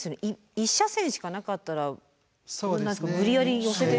１車線しかなかったら無理やり寄せて。